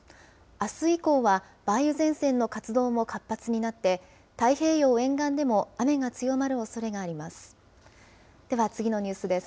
あす以降は梅雨前線の活動も活発になって、太平洋沿岸でも雨が強まるおそれがあります。